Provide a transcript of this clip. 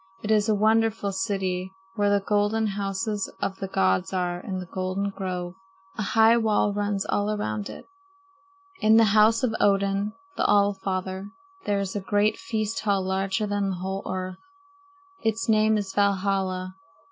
"It is a wonderful city where the golden houses of the gods are in the golden grove. A high wall runs all around it. In the house of Odin, the All father, there is a great feast hall larger than the whole earth. Its name is Valhalla.